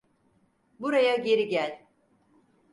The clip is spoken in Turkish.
Buraya geri gel!